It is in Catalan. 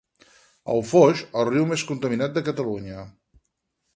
El Foix, el riu més contaminat de Catalunya.